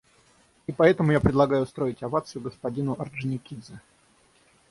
И поэтому я предлагаю устроить овацию господину Орджоникидзе.